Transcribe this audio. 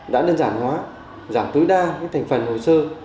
đã đơn giản hóa giảm tối đa thành phần hồ sơ